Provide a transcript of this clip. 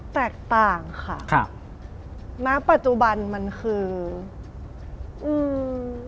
แตกต่างค่ะครับณปัจจุบันมันคืออืม